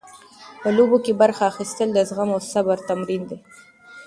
په لوبو کې برخه اخیستل د زغم او صبر تمرین دی.